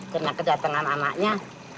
karena kedatangan anaknya